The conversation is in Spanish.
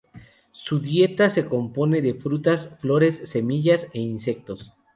Su dieta se compone de frutas, flores, semillas e insectos.